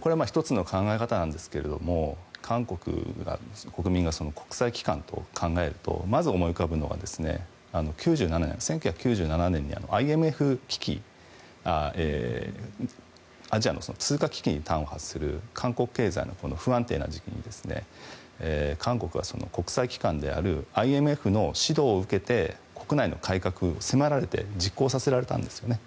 これは１つの考え方なんですが韓国の国民が国際機関と考えるとまず思い浮かぶのが１９９７年にＩＭＦ危機アジアの通貨危機に端を発する韓国経済の不安定な時期に韓国は国際機関であるＩＭＦの指導を受けて国内の改革を迫られて実行させられたんですね。